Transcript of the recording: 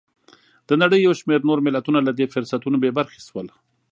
د نړۍ یو شمېر نور ملتونه له دې فرصتونو بې برخې شول.